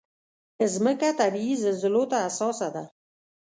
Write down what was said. مځکه طبعي زلزلو ته حساسه ده.